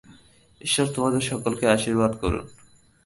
ঈশ্বর তোমাদের সকলকে আশীর্বাদ করুন।